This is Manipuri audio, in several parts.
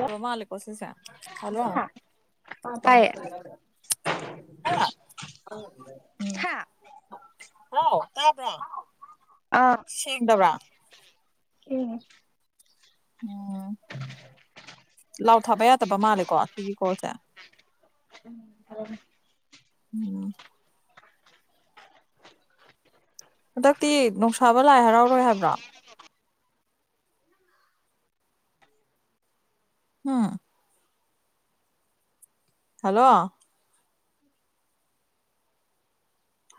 [unintelligible] ꯃꯥꯜꯂꯤꯀꯣ ꯁꯤꯁꯦ ꯍꯜꯂꯣ꯫ ꯍꯥ ꯑꯥ ꯇꯥꯏꯌꯦ [unintelligible] ꯍꯥ [unintelligible] ꯎꯝ ꯍꯥꯎ ꯇꯥꯕ꯭ꯔ‌ꯣ ꯁꯦꯡꯗꯕ꯭ꯔꯥ꯫ ꯁꯦꯡꯉꯦ꯫ ꯑꯣ ꯂꯥꯎꯠ ꯊꯥꯕ ꯌꯥꯗꯕ ꯃꯥꯜꯂꯦꯀꯣ ꯁꯤꯒꯤ ꯀꯣꯜꯁꯦ꯫ [unintelligible] ꯎꯝ꯫ ꯍꯟꯗꯛꯇꯤ ꯅꯣꯡꯁꯥꯕ ꯂꯥꯏ ꯍꯔꯥꯎꯔꯣꯏ ꯍꯥꯏꯕ꯭ꯔ‌ꯣ꯫ ꯍꯨꯝ ꯍꯜꯂꯣ꯫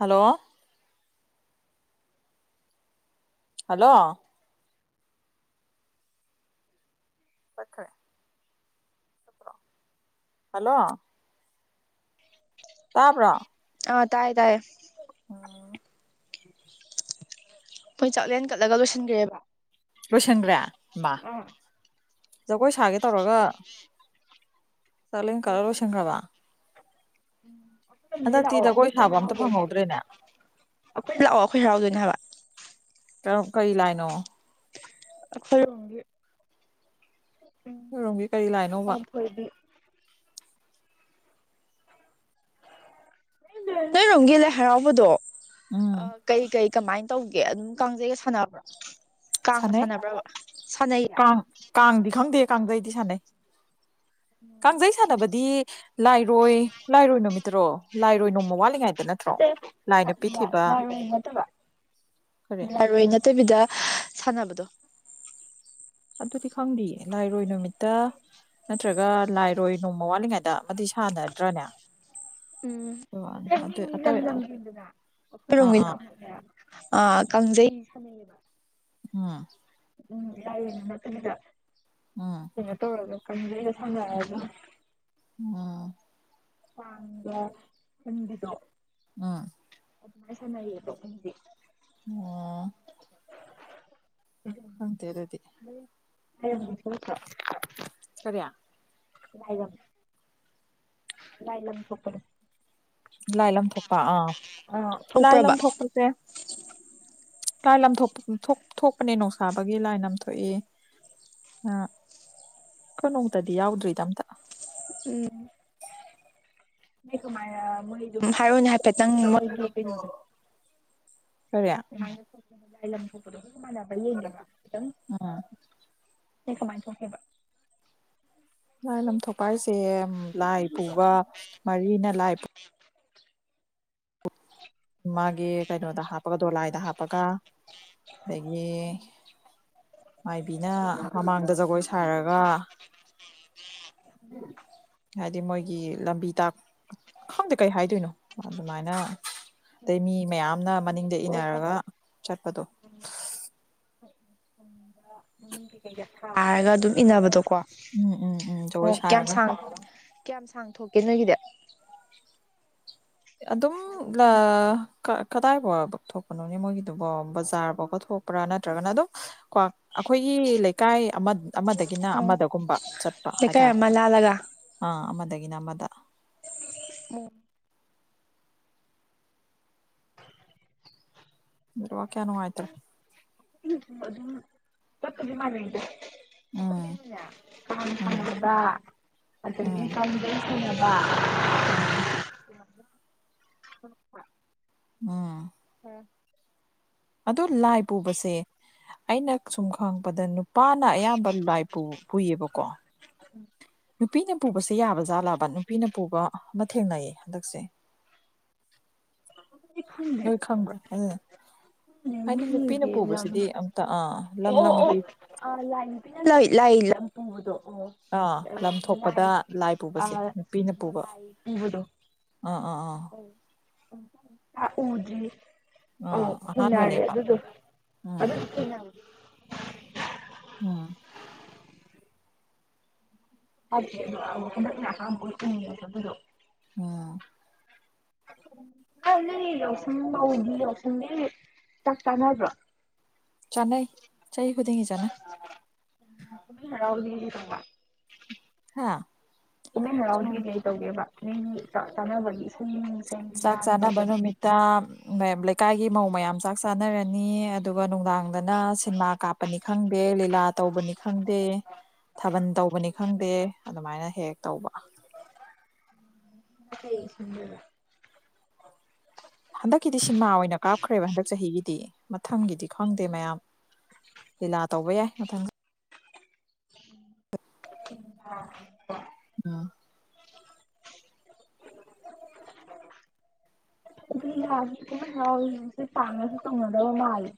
ꯍꯜꯂꯣ꯫ ꯍꯜꯂꯣ꯫ ꯇꯠꯈꯔꯦ꯫ ꯍꯜꯂꯣ꯫ ꯇꯥꯕ꯭ꯔꯣ꯫ ꯑꯥ ꯇꯥꯏ ꯇꯥꯏꯌꯦ꯫ ꯎꯝ꯫ ꯃꯣꯏ ꯆꯥꯛꯂꯦꯟ ꯀꯠꯂꯒ ꯂꯣꯏꯁꯤꯟꯒ꯭ꯔꯦꯕ꯫ ꯂꯣꯏꯁꯟꯒ꯭ꯔꯦ ꯍꯤꯃꯥ ꯖꯒꯣꯏ ꯁꯥꯒꯦ ꯇꯧꯔꯒ꯫ [unintelligible] [unintelligible] ꯆꯥꯛꯂꯦꯟ ꯀꯠꯂ ꯂꯣꯏꯁꯟꯈ꯭ꯔꯕ ꯑꯈ‌ꯣꯏ ꯍꯟꯗꯛꯇꯤ ꯖꯒꯣꯏ ꯁꯥꯕ ꯑꯝꯇ ꯍꯔꯥꯎꯗ‌ꯣꯏꯅ‌ꯦ ꯐꯪꯍꯧꯗ꯭ꯔꯦꯅꯦ ꯑꯈꯣꯏ ꯂꯥꯛꯑꯣ ꯑꯈꯣꯏ ꯍꯔꯥꯎꯗꯨꯏꯅꯦ ꯍꯥꯏꯕ꯫ ꯇꯥꯎ ꯀꯩ ꯂꯥꯏꯅꯣ ꯑꯈꯣꯏꯔꯣꯝꯒꯤ ꯎꯝ ꯅꯣꯏꯔꯣꯝꯒꯤ ꯀꯔꯤ ꯂꯥꯏꯅꯣꯕ ꯄꯥꯟꯊ‌ꯣꯏꯕꯤ ꯅꯣꯏꯔꯣꯝꯒꯤ ꯂꯥꯏ ꯍꯔꯥꯎꯕꯗꯣ ꯎꯝ ꯑꯥ ꯀꯩ ꯀꯩ ꯀꯃꯥꯏ ꯇꯧꯒꯦ ꯑꯗꯨꯝ ꯀꯥꯡꯖꯩꯒ ꯁꯥꯟꯅꯕ꯭ꯔꯣ ꯀꯥꯡꯒ ꯁꯥꯟꯅꯩ ꯁꯥꯟꯅꯕ꯭ꯔꯕ ꯁꯥꯟꯅꯩꯌꯦ ꯀꯥꯡ ꯀꯥꯡꯗꯤ ꯈꯪꯗꯦ ꯀꯥꯡꯖꯩꯗꯤ ꯁꯥꯟꯅꯩ ꯀꯥꯡꯖꯩ ꯁꯥꯟꯅꯕꯗꯤ ꯂꯥꯏꯔꯣꯏ ꯂꯥꯏꯔꯣꯏ ꯅꯨꯃꯤꯠꯇꯔꯣ ꯂꯥꯏꯔꯣꯏ ꯅꯣꯡꯃ ꯋꯥꯠꯂꯤꯉꯩ [unintelligible] ꯂꯥꯏꯔꯣꯏ ꯅꯠꯇꯕ ꯀꯔꯤ ꯂꯥꯏꯔ‌ꯣꯏ ꯅꯠ ꯇꯕꯤꯗ ꯁꯥꯟꯅꯕꯗꯣ ꯑꯗꯨꯗꯤ ꯈꯪꯗꯤꯌꯦ ꯂꯥꯏꯔꯣꯏ ꯅꯨꯃꯤꯠꯇ ꯅꯠꯇ꯭ꯔꯒ ꯂꯥꯏꯔꯣꯏ ꯅꯣꯡꯃ ꯋꯥꯠꯂꯤꯉꯩꯗ ꯑꯃꯗꯤ ꯁꯥꯟꯅꯗ꯭ꯔꯥꯅꯦ꯫ ꯎꯝ ꯑꯇꯩ ꯃꯤꯃꯤ ꯂꯝ ꯑꯇꯩ ꯂꯝ ꯒꯤꯅꯤꯗꯅ ꯑꯥ ꯑꯈꯣꯏꯔ‌ꯣꯝꯒꯤꯅ ꯑꯥ ꯑꯃꯨꯛꯅꯦ ꯑꯥ ꯀꯪꯖꯩ ꯁꯅꯩ ꯎꯝ ꯎꯝ ꯂꯥꯏꯔꯣꯏ ꯅꯥꯀꯟꯗ ꯍ‌ ꯀꯩꯅꯣ ꯇꯧꯔꯒ ꯀꯥꯡꯖꯩꯒ ꯁꯥꯟꯅꯔꯒ ꯍꯨ ꯀꯥꯡꯒ ꯍꯨꯟꯕꯤꯗꯣ ꯎꯝ ꯑꯗꯨꯃꯥꯏ ꯁꯅꯩꯌꯦꯕ ꯑꯈꯣꯢꯗꯤ ꯑꯣ [unintelligible] ꯈꯪꯗꯦ ꯑꯗꯨꯗꯤ ꯅꫭꯏ ꯂꯥꯏꯔꯥꯝꯗꯤ ꯊꫭꯛꯇ꯭ꯔꫭ ꯀꯔꯤ ꯂꯥꯏꯔꯥꯝ ꯂꯥꯏ ꯂꯝ ꯊꯣꯛꯄꯅꯦ ꯂꯥꯏ ꯂꯝꯊꯣꯛꯄ ꯑꯥ ꯑꯥ ꯂꯥꯏ ꯊꯣꯛꯄ꯭ꯔꯕ ꯂꯝꯊꯣꯛꯄꯁꯦ ꯂꯥꯏ ꯂꯥꯝꯊꯣꯛ ꯊꯣꯛ ꯊꯣꯛꯄꯅꯦ ꯅꫭꯡꯁꯥꯕꯒꯤ ꯂꯥꯏ ꯂꯝꯊꯣꯛꯑꯦ ꯑ ꯈꯣꯏ ꯅꯣꯡꯃꯇꯗꯤ ꯌꯥꯎꯗ꯭ꯔꯤꯗ ꯑꯝꯇ ꯎꯝ꯫ ꯅꯣꯏ ꯀꯃꯥꯏꯅ ꯃꯣꯏ ꯑꯗꯨꯝ ꯍꯥꯏꯔꯣꯅꯦ ꯍꯥꯏꯐꯦꯠꯇꯪ ꯃꯣꯏꯒꯤ ꯀꯩꯅꯣꯗꯣ ꯀꯔꯤ ꯀꯃꯥꯏꯅ ꯊꯣꯛꯀꯦꯕ ꯂꯥꯏ ꯂꯝ ꯊꯣꯛꯄꯗꯣ ꯃꯥꯅꯕ꯭ꯔꯥ ꯌꯦꯡꯒꯦꯕ ꯈꯤꯇꯪ ꯎꯝ ꯅꯣꯏ ꯀꯃꯥꯏ ꯊꯣꯛꯀꯦꯕ ꯂꯥꯏ ꯂꯝ ꯊꯣꯛꯄ ꯍꯥꯏꯁꯦ ꯂꯥꯏ ꯄꯨꯕ ꯃꯔꯤꯅ ꯂꯥꯏ ꯄꯨ ꯃꯥꯒꯤ ꯀꯩꯅꯣꯗ ꯍꯥꯞꯄꯒ ꯗꯣꯂꯥꯏꯗ ꯍꯥꯞꯄꯒ ꯑꯗꯥꯒꯤ ꯃꯥꯏꯕꯤꯅ ꯃꯃꯥꯡꯗ ꯖꯒꯣꯏ ꯁꯥꯔꯒ ꯍꯥꯏꯗꯤ ꯃꯣꯏꯒꯤ ꯂꯝꯕꯤ ꯇꯥꯛ ꯈꯪꯗꯦ ꯀꯩ ꯍꯥꯏꯗꯨꯏꯅꯣ ꯑꯗꯨꯃꯥꯏꯅ ꯑꯗꯩ ꯃꯤ ꯃꯌꯥꯝꯅ ꯃꯅꯤꯡꯗ ꯊꯣꯛꯑꯒ ꯏꯅꯔꯒ ꯆꯠꯄꯗꯣ ꯎꯝ ꯀꯩꯀꯩꯒ ꯁꯥꯔꯒ ꯑꯗꯨꯝ ꯏꯅꯥꯕꯗꯣ ꯀꯣ ꯎꯝ ꯎꯝ ꯎꯝ ꯖꯒꯣꯏ ꯑꯣ ꯀꯌꯥꯝ ꯁꯥꯔꯒ ꯁꯥꯡ ꯀꯌꯥꯝ ꯁꯥꯡ ꯊꯣꯛꯀꯦ ꯅꯣꯏꯒꯤꯗꯤ ꯑꯗꯨꯝ ꯂꯥ ꯀ ꯀꯗꯥꯏꯕꯥꯎꯕ ꯊꯣꯛꯄꯅꯣꯅꯦ ꯃꯣꯏꯒꯤꯗꯨꯕꯣ ꯕꯖꯥꯔ ꯐꯥꯎꯕ ꯊꯣꯛꯄ꯭ꯔꯥ ꯅꯠꯇ꯭ꯔꯒꯅ ꯑꯗꯨꯝ ꯀꯨꯋꯥ ꯑꯈꯣꯏꯒꯤ ꯂꯩꯀꯥꯏ ꯑꯃ ꯑꯃꯗꯒꯤꯅ ꯎꯝ ꯑꯃꯗꯒꯨꯝꯕ ꯆꯠꯄ ꯂꯩꯀꯥꯏ ꯍꯥꯏꯇꯥꯔꯦ ꯑꯃ ꯂꯥꯜꯂꯒ ꯑꯥ ꯑꯃꯗꯒꯤꯅ ꯑꯃꯗ ꯑꫭ ꯅꯦꯠꯋꯥꯛ ꯀꯌꯥ ꯅꯨꯡꯉꯥꯏꯇ꯭ꯔꯦ ꯑꯗꯨꯝ ꯆꯥꯞꯄꯨꯗꯤ ꯃꯥꯟꯅꯩꯗ ꯎꯝ ꯑꯈꫭꯏꯒꯤꯅꯅꯦ ꯀꯥꯡ ꯎꯝ ꯁꯥꯡꯕ ꯑꯗꯥꯒꯤ ꯎꯝ ꯀꯪ ꯑꯗꯨꯝ ꯁꯦꯟꯅꯕ ꯎꯝ꯫ ꯁꯨꯔꯥꯝ [unintelligible] ꯊꫭꯛꯂꯛꯄ꯭ꯔꫭ ꯎꯝ꯫ ꯍꯥ ꯑꯗꯣ ꯂꯥꯏ ꯄꯨꯕꯁꯦ ꯑꯩꯅ ꯁꯨꯝ ꯈꯪꯉꯥꯛꯄꯗ ꯅꯨꯞ ꯄꯥꯥꯅ ꯑꯌꯥꯝꯕ ꯂꯥꯏ ꯄꯨ ꯄꯨꯏꯌꯦꯕꯀꯣ ꯎꯝ꯫ ꯅꯨꯄꯤꯅ ꯄꯨꯕꯁꯦ ꯌꯥꯕ ꯖꯥꯠꯂꯕ ꯅꯨꯄꯤꯅ ꯄꯨꯕ ꯑꯃ ꯊꯦꯡꯅꯩꯌꯦ ꯍꯟꯗꯛꯁꯦ ꯈꯪꯗꯦ ꯅꯣꯏ ꯈꯪꯕ꯭ꯔꯣ ꯑꯗꯨꯏꯗꯣ ꯍꯥꯏꯗꯤ ꯅꯨꯄꯤꯅ ꯃꯤꯒꯤ ꯄꯨꯕꯁꯤꯗꯤ ꯑꯝꯇ ꯑꯥ ꯂꯝ ꯂꯝꯒꯤ ꯑ ꯂꯥꯏ ꯅꯨꯄꯤꯅ ꯂꯣꯏ ꯂꯥꯏ ꯂꯝ ꯄꯨꯕꯗꯣ ꯑꫭ ꯑꯥ ꯂꯝꯊꯣꯛꯄꯗ ꯂꯥꯏ ꯄꯨꯕꯁꯦ ꯑꯥ ꯅꯨꯄꯤꯅ ꯄꯨꯕ ꯂꯥꯏ ꯑꯥ ꯑꯥ ꯑꯥ ꯑꯩ ꯑꯝꯇ ꯑꯝꯇ ꯎꯗ꯭ꯔꯤ ꯑꯣ ꯑꯥ ꯊꯦꯡꯅꯔꯦ ꯑꯍꯥꯟꯕꯅꯦꯕ ꯑꯗꯨꯗꯣ ꯑꯗꯨ ꯎꯝ ꯊꯦꯡꯅꯕ ꯎꯝ꯫ [unintelligible] ꯍꯟꯗꯛꯅ ꯑꯍꯥꯟꯕ ꯑꫭꯏ [unintelligible] ꯑꯗꯨꯗꫭ ꯑꯥ [inaudible] ꯌꯥꯎꯁꯪꯗꯤ ꯆꯥꯛ ꯆꯥꯅꯕ꯭ꯔꯣ ꯆꯥꯟꯅꯩ ꯆꯍꯤ ꯈꯨꯗꯤꯡꯒꯤ ꯆꯥꯟꯅꯩ ꯀꯨꯝꯍꯩ ꯍꯔꯥꯎꯗꯤ ꯀꯩ ꯀꯩ ꯇꯧꯕꯥ ꯍꯥꯥ ꯀꯨꯝꯃꯩ ꯍꯔꯥꯎꯗꯤ ꯀꯩ ꯀꯩ ꯇꯧꯒꯦꯕ ꯃꯤꯒꯤ ꯆꯥꯛ ꯆꯥꯅꯕꯒꯤ ꯏꯁꯩ ꯅꯨꯡꯁꯩ ꯂꯤꯂꯥꯒ ꯇꯧꯗꯕ ꯑꯥꯝ ꯃꯌꯥꯝ ꯂꯩꯀꯥꯏꯒꯤ ꯃꯧ ꯃꯌꯥꯝ ꯆꯥꯛ ꯆꯥꯅꯔꯅꯤ ꯑꯗꯨꯒ ꯅꯨꯡꯗꯥꯡꯗꯅ ꯁꯤꯟꯃꯥ ꯀꯥꯞꯄꯅꯤ ꯈꯪꯗꯦ ꯂꯤꯂꯥ ꯇꯧꯕꯅꯤ ꯈꯪꯗꯦ ꯊꯥꯕꯜ ꯇꯧꯕꯅꯤ ꯈꯪꯗꯦ ꯑꯗꯨꯃꯥꯏꯅ ꯍꯦꯛ ꯍꯦꯛ ꯇꯧꯕ ꯉꯁꯤꯅꯥ ꯀꯩ ꯁꯤꯟꯗꯥꯏꯕꯥ ꯍꯟꯗꯛꯀꯤꯗꯤ ꯁꯤꯟꯃꯥ ꯑꯣꯏꯅ ꯀꯥꯞꯈ꯭ꯔꯦꯕ ꯍꯟꯗꯛ ꯆꯍꯤꯒꯤꯗꯤ ꯃꯊꯪꯒꯤꯗꯤ ꯈꯪꯗꯦ ꯃꯌꯥꯝ ꯂꯤꯂꯥ ꯇꯧꯕ ꯌꯥꯏ ꯃꯊꯪ [inaudible] ꯎꯝ [inaudible] [inaudible] ꯄꯥꯛꯅꯖꯨ ꯇꯧꯅꯗꯕ ꯃꯥꯜꯂꯦ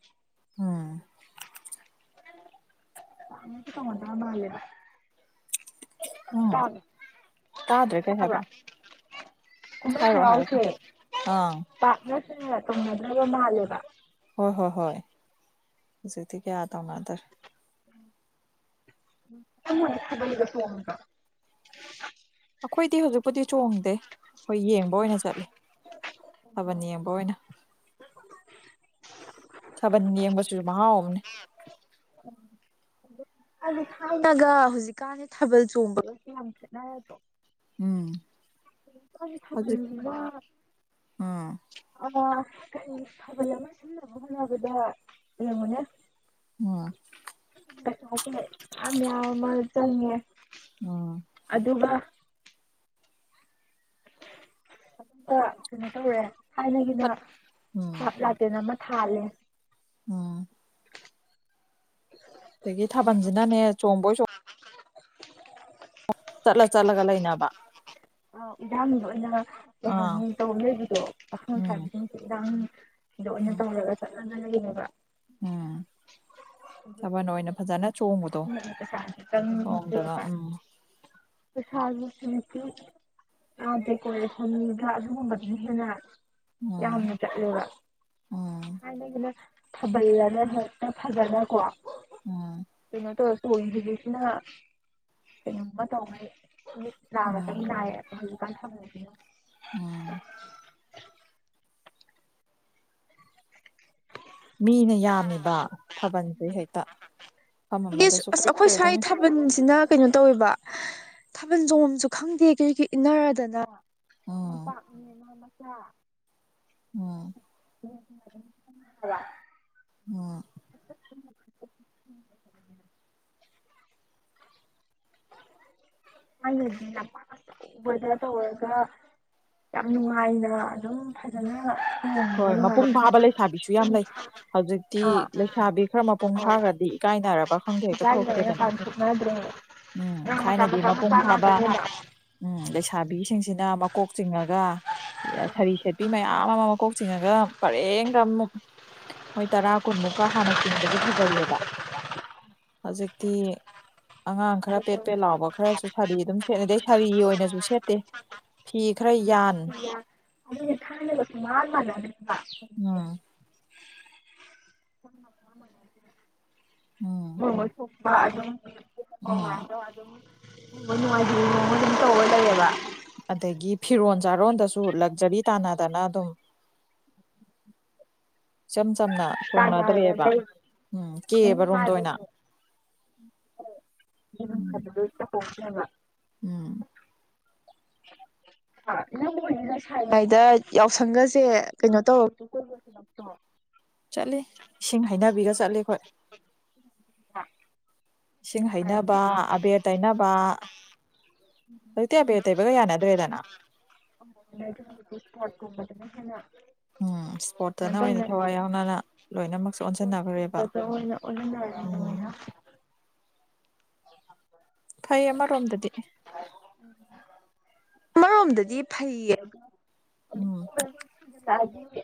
ꯎꯝ ꯑꯃꯨꯛꯁꯨ ꯇꯧꯅꯗꯕ ꯃꯥꯜꯂꯦꯕ ꯎꯝ ꯇꯥꯕ꯭ꯔꯥ ꯇꯥꯗ꯭ꯔꯦ ꯀꯩ ꯍꯥꯏꯕ ꯇꯥꯕ꯭ꯔꯥ ꯀꯨꯝꯍꯩ ꯍꯥꯏꯔꯛꯑꯣ ꯍꯔꯥꯎꯁꯦ ꯍꯥꯏꯔꯛꯑꯣ ꯑꯥ ꯄꯥꯛꯅꯁꯨꯅꯦ ꯇꯧꯅꯗ꯭ꯔꯕ ꯃꯥꯜꯂꯦꯕ ꯍꯣꯏ ꯍꯣꯏ ꯍꯣꯏ ꯍꯧꯖꯤꯛꯇꯤ ꯀꯌꯥ ꯇꯧꯅꯗꯔꯦ [inaudible] ꯊꯥꯕꯜꯒ ꯆꯣꯡꯗ꯭ꯔꯣ ꯑꯩꯈꯣꯏꯗꯤ ꯍꯧꯖꯤꯛꯄꯨꯗꯤ ꯆꯣꯡꯗꯦ ꯑꯩꯈꯣꯏ ꯌꯦꯡꯕ ꯑꯣꯏꯅ ꯆꯠꯂꯦ ꯊꯥꯕꯜ ꯌꯦꯡꯕ ꯑꯣꯏꯅ ꯊꯥꯕꯟ ꯌꯦꯡꯕꯁꯨ ꯃꯍꯥꯎ ꯑꯃꯅꯦ [inaudible] ꯊꯥꯏꯅꯒ ꯍꯧꯖꯤꯛꯀꯥꯟꯒꯤ ꯊꯥꯕꯜ ꯆꯣꯡꯕꯒꯁꯨ ꯌꯥꯝ ꯈꯦꯠꯅꯗ꯭ꯔꯣ ꯎꯝ [unintelligible] ꯍꯧꯖꯤꯛ ꯎꯝ ꯊꯥꯕꯜ ꯑꯃꯥ ꯁꯤꯟꯅꯕ ꯍꫭꯠꯅꯕꯗ ꯌꯦꯡꯆꯨꯅꯦ ꯑꯣ [unintelligible] ꯆꯪꯉꯦ ꯎꯝ ꯑꯗꯨꯒ ꯑꯗꯨꯒ ꯀꯩꯅꯣ ꯇꯧꯔꯦ ꯊꯥꯏꯅꯒꯤꯅꯥ ꯆꯠ ꯎꯝ ꯍꯥꯥꯞ ꯂꯥꯇꯦꯟ ꯑꯃ ꯊꯥꯜꯂꯦ ꯎꯝ [inaudible] ꯑꯗꯒꯤ ꯊꯥꯕꯜꯁꯤꯅꯅꯦ ꯆꯣꯡꯕꯣꯏ ꯆꫭꯡ ꯆꯠꯂ ꯆꯠꯂꯒ ꯂꯩꯅꯕ ꯑꯥꯎ ꯏꯔꯥꯡ ꯂ ꯑꯣꯏꯅ ꯀꯩ ꯑꯥ ꯍꯥꯏꯅꯤ ꯇꯧ ꯂꯩꯕꯗꯣ ꯄꯥꯈꯪ ꯎꯝ ꯂꯩꯁꯥꯕꯤꯁꯤꯡꯁꯦ ꯏꯔꯥꯡ ꯁꯤꯗꯥ ꯑꯣꯏꯅ ꯎꯝ ꯇꯧꯔꯒ ꯆꯠꯂꯒ ꯂꯩꯔꯤꯅꯦꯕ ꯎꯝ ꯊꯥꯕꯜ ꯑꯣꯏꯅ ꯐꯖꯅ ꯆꯣꯡꯕꯗꯣ [inaudible] ꯄꯩꯁꯥꯁꯨ ꯆꯣꯡꯗꯕ ꯆꯪꯗ꯭ꯔꯦꯕꯥ ꯎꯝ ꯄꯩꯁꯥꯖꯦ ꯁꯨꯝ ꯁꯨꯝ ꯑꯥ ꯗꯦꯀꯣꯔꯦꯁꯟꯒ ꯑꯗꯨꯒꯨꯝꯕꯗ ꯍꯦꯟꯅ ꯎꯝ ꯌꯥꯝ ꯆꯠꯂꯒ ꯎꯝ ꯊꯥꯏꯅꯒꯤꯅ ꯊꯥꯕꯜꯅ ꯍꯦꯛꯇ ꯐꯥꯖꯅꯀꯣ ꯎꯝ ꯀꯩꯅꯣ ꯇꯧꯔ ꯆꯣꯡꯏ ꯍꯧꯖꯤꯛꯁꯤꯅ ꯀꯩꯅꯣꯝꯃ ꯇꯧꯈꯩ ꯎꯝ [unintelligible] ꯍꯧꯖꯤꯛ ꯀꯥꯟ ꯊꯥꯕꯜꯖꯤꯅ ꯎꯝ ꯃꯤꯅ ꯌꯥꯝꯃꯤꯕ ꯊꯥꯕꯜꯖꯦ ꯍꯦꯛꯇ ꯃꯐꯝ ꯑꯃꯗꯁꯨ ꯑꯁ ꯀ꯭ꯔꯤꯛ ꯑꯩꯈꯣꯏ ꯀ꯭ꯔꯤꯛ ꯁ꯭ꯋꯥꯏ ꯇꯧꯃꯤ ꯊꯥꯕꯜꯁꯤꯅ ꯀꯩꯅꯣ ꯇꯧꯋꯦꯕ ꯊꯥꯕꯜ ꯆꯣꯡꯐꯝꯁꯨ ꯈꯪꯗꯦ ꯀ꯭ꯔꯤꯛ ꯀꯔ꯭ꯤꯛ ꯏꯟꯅꯔꯗꯅ ꯎꯝ ꯂꯝꯄꯥꯛꯅꯦꯅ ꯃꯆꯥ ꯎꯝ [inaudible] ꯎꯝ ꯑꯩꯅꯗꯤ ꯂꯝꯄꯥꯛ ꯑꯆꯧꯕꯗ ꯇꯧꯔꯒꯥ ꯌꯥꯝ ꯅꯨꯡꯉꯥꯏꯅ ꯑꯗꯨꯝ ꯐꯥꯖꯅ ꯍꯣꯏ ꯃꯄꯨꯡ ꯐꯥꯕ ꯂꯩꯁꯥꯕꯤꯁꯨ ꯌꯥꯝ ꯂꯩ ꯍꯧꯖꯤꯛꯇꯤ ꯑꯥ ꯂꯩꯁꯥꯕꯤ ꯈꯔ ꯃꯄꯨꯡ ꯑꯧ ꯐꯥꯈ꯭ꯔꯗꯤ ꯏꯀꯥꯏꯅꯔꯕ ꯈꯪꯗꯦ ꯍꯦꯛꯇ ꯏꯀꯥꯏ ꯂꯩꯔꯦ ꯊꯣꯛꯇꯦꯗꯅ ꯄꯥꯡꯊꯣꯛꯅꯗ꯭ꯔꯦꯕ ꯎꯝ ꯑꯉꯥꯡ ꯃꯆꯥ ꯊꯥꯏꯅꯗꯤ ꯃꯆꯥ ꯃꯄꯨꯡ ꯃꯆꯥ ꯐꯥꯕ ꯉꯥꯛꯇꯅꯦꯕ ꯎꯝ ꯂꯩꯁꯥꯕꯤꯁꯤꯡꯁꯤꯅ ꯃꯀꯣꯛ ꯆꯤꯡꯉꯒ ꯁꯥꯔꯤ ꯁꯦꯠꯄꯤ ꯃꯌꯥꯝ ꯑꯃ ꯃꯀꯣꯛ ꯆꯤꯡꯉꯒ ꯄꯔꯦ ꯀ ꯑꯃꯨꯛ ꯃꯣꯏ ꯇꯔꯥ ꯀꯨꯟꯃꯨꯛꯀ ꯍꯥꯟꯅ ꯆꯤꯡꯕꯁꯨ ꯐꯖꯩꯌꯦꯕ ꯍꯧꯖꯤꯛꯇꯤ ꯑꯉꯥꯡ ꯈꯔ ꯄꯦꯠ ꯄꯦꯠ ꯂꯥꯎꯕ ꯈꯔꯁꯨ ꯁꯥꯔꯤ ꯑꯗꯨꯝ ꯁꯦꯠꯅꯗꯤ ꯑꯩ ꯁꯥꯔꯤ ꯑꯣꯏꯅꯁꯨ ꯁꯦꯠꯇꯦ ꯐꯤꯈ꯭ꯔꯥ ꯌꯥꯟ ꯑꯗꯨ ꯊꯥꯏꯅꯒ ꯁꯃꯥꯟ ꯃꯥꯟꯅꯗ꯭ꯔꯦꯕ ꯎꯝ [unintelligible] ꯎꯝ ꯃꯣꯏ ꯃꯣꯏ ꯊꯣꯛꯄ ꯑꯗꯨꯝ ꯎꯝ ꯑꯗꯨꯝ ꯅꯨꯡꯉꯥꯏꯇ [unintelligible] ꯑꯗꯨꯝ ꯇꯧꯔꯒ ꯂꯩꯌꯦꯕ ꯑꯗꯒꯤ ꯐꯤꯔꯣꯟ ꯆꯥꯔꯣꯟꯗꯁꯨ ꯂꯛꯖꯔꯤ ꯇꯥꯅꯗꯅ ꯑꯗꯨꯝ [inaudible] ꯏꯆꯝ ꯆꯝꯅ ꯇꯥꯟꯅꯔ ꯊꯣꯡꯅꯗ꯭ꯔꯦꯕ ꯂꯩ ꯎꯝ ꯀꯦꯕ ꯔꯣꯝꯗ ꯑꯣꯏꯅ [unintelligible] ꯎꯝ [inaudible] ꯅꯪꯕꯨ ꯂꯩꯁꯥꯔꯤꯉꯩꯗ ꯌꯥꯎꯁꯪꯒꯖꯦ ꯀꯩꯅꯣ ꯇꯧꯔꯛꯇ꯭ꯔꯣ ꯀꯣꯏꯕꯒ ꯆꯠꯔꯛꯇ꯭ꯔꯣ ꯆꯠꯂꯦ ꯏꯁꯤꯡ ꯍꯩꯅꯕꯤꯒ ꯆꯠꯂꯤ ꯑꯩꯈꯣꯏ [inaudible] ꯏꯁꯤꯡ ꯍꯩꯅꯕ ꯑꯕꯦꯔ ꯇꯩꯅꯕ ꯍꯧꯖꯤꯛꯇꯤ ꯑꯕꯦ ꯇꯩꯕꯒ ꯌꯥꯅꯗ꯭ꯔꯦꯗꯅ [unintelligible] ꯎꯝ ꯀꯩꯅꯣ ꯏꯁꯄꯣꯔꯠꯇꯅ ꯑꯣꯏꯅ ꯇꯧꯅ ꯊꯋꯥꯏ ꯌꯥꯎꯅꯅ ꯂꯣꯏꯅꯃꯛꯁꯦ ꯑꯣꯟꯁꯤꯟꯅꯈ꯭ꯔꯦꯕ ꯎꯝ ꯑꯣꯖꯟꯅꯥꯔꯤꯅꯦꯅ ꯐꯩ ꯑꯃꯔꯣꯝꯗꯗꯤ ꯑꯃꯔꯣꯝꯗꯗꯤ ꯐꯩꯌꯦ ꯎꯝ ꯆꯥꯅꯤꯡꯇꯦ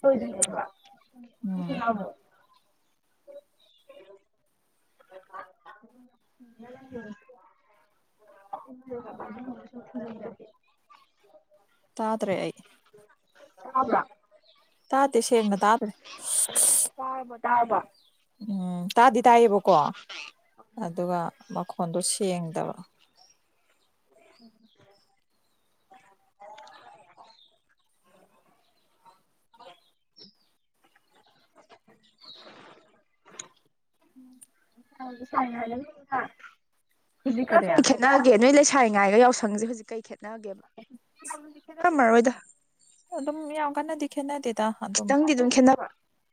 ꯍ ꯎꯝ [unintelligible] [inaudible] [unintelligible] ꯇꯥꯗ꯭ꯔꯦ ꯑꯩ ꯇꯥꯕ꯭ꯔ ꯇꯥꯇꯦ ꯁꯦꯡꯅ ꯇꯥꯗꯔꯦ [inaudible] ꯇꯥꯔꯕꯣ ꯇꯥꯔꯕ ꯎꯝ ꯇꯥꯗꯤ ꯇꯥꯏꯌꯦꯕꯀꯣ ꯑꯗꯨꯒ ꯃꯈꯣꯟꯗꯣ ꯁꯦꯡꯗꯕ [inaudible] [inaudible] ꯍꯥ ꯍꯧꯈꯤꯛꯀ ꯀꯔꯤ ꯀꯩ ꯈꯦꯠ ꯈꯦꯠꯅꯒꯦ ꯅꯣꯏ ꯂꯩꯁꯥꯔꯤ ꯉꯥꯏꯒ ꯌꯥꯎꯁꯪꯁꯦ ꯍꯧꯖꯤꯛ ꯀꯩ ꯈꯦꯠꯅꯒꯦꯕ ꯀꯝꯃꯔꯣꯏꯗ ꯑꯗꯨꯝ ꯌꯥꯝ ꯀꯟꯅꯗꯤ ꯈꯦꯠꯅꯗꯦꯗ ꯑꯗꯨꯝ ꯈꯤꯇꯪꯗꯤ ꯈꯦꯠꯅꯕ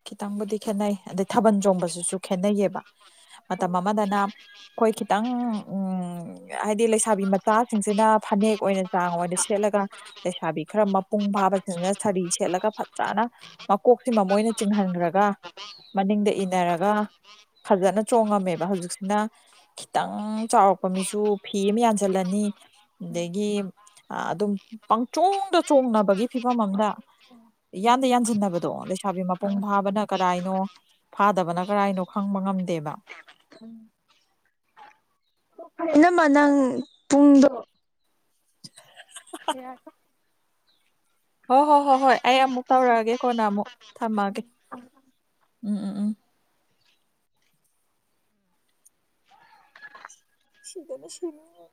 ꯈꯤꯇꯪꯕꯨꯗꯤ ꯈꯦꯠꯅꯩ ꯑꯗꯩ ꯊꯥꯕꯜ ꯆꯣꯡꯕꯁꯤꯁꯨ ꯈꯦꯠꯅꯩꯌꯦꯕ ꯃꯇꯝ ꯑꯃꯗꯅ ꯑꯩꯈꯣꯏ ꯈꯤꯇꯪ ꯎꯝ ꯍꯥꯏꯗꯤ ꯂꯩꯁꯥꯕꯤ ꯃꯇꯥꯁꯤꯡꯁꯤꯅ ꯐꯅꯦꯛ ꯑꯣꯏꯅ ꯆꯥꯡ ꯑꯣꯏꯅ ꯁꯦꯠꯂꯒ ꯂꯩꯁꯥꯕꯤ ꯈꯔ ꯃꯥ ꯄꯨꯡ ꯐꯥꯕꯁꯤꯡꯁꯤꯅ ꯁꯥꯔꯤ ꯁꯦꯠꯂꯒ ꯐꯖꯅ ꯃꯀꯣꯛꯁꯤꯃ ꯃꯣꯏꯅ ꯆꯤꯡꯍꯟꯈ꯭ꯔꯒ ꯃꯅꯤꯡꯗ ꯏꯅꯔꯒ ꯐꯖꯅ ꯆꯣꯡꯉꯝꯃꯦꯕ ꯍꯧꯖꯤꯛꯁꯤꯅ ꯈꯤꯇꯪ ꯆꯥꯎꯔꯛꯄ ꯃꯤꯁꯨ ꯐꯤ ꯑꯃ ꯌꯥꯟꯁꯤꯜꯂꯅꯤ ꯎꯝ ꯑꯗꯒꯤ ꯑꯗꯨꯝ ꯄꯪꯆꯣꯡꯗ ꯆꯣꯡꯅꯕꯒꯤ ꯐꯤꯕꯝ ꯑꯝꯗ ꯢꯌꯥꯟꯗ ꯌꯥꯟꯁꯤꯟꯅꯕꯗꯣ ꯂꯩꯁꯥꯕꯤ ꯃꯄꯨꯡ ꯎꯝ ꯐꯥꯕꯅ ꯀꯔꯥꯏꯅꯣ ꯐꯥꯗꯕꯅ ꯀꯔꯥꯅꯣ ꯈꯪꯕ ꯉꯝꯗꯦꯕ ꯎꯝ ꯑꯦꯅꯃ ꯅꯪ ꯄꯨꯡꯗꯣ ꯀꯩ ꯍꯥꯏꯕ ꯍꯣꯏ ꯍꯣꯏ ꯍꯣꯏ ꯍꯣꯏ ꯑꯩ ꯑꯃꯨꯛ ꯇꯧꯔꯛꯑꯒꯦ ꯀꯣꯟꯅ ꯑꯃꯨꯛ ꯊꯝꯃꯒꯦ ꯎꯝ ꯎꯝ ꯎꯝ ꯁꯤꯗꯅ ꯁꯤꯅꯤꯡꯉꯦ